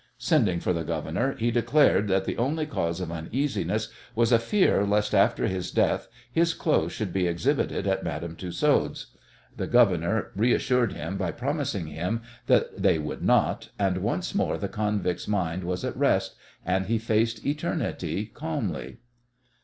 Sending for the Governor he declared that the only cause of uneasiness was a fear lest after his death his clothes should be exhibited at Madame Tussaud's! The Governor reassured him by promising him that they would not, and once more the convict's mind was at rest, and he faced eternity calmly.